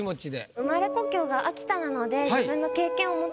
生まれ故郷が秋田なので。